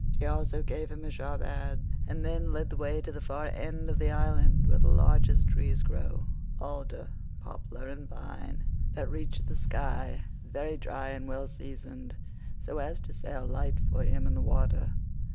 She also gave him a sharp adze, and then led the way to the far end of the island where the largest trees grew—alder, poplar and pine, that reached the sky—very dry and well seasoned, so as to sail light for him in the water.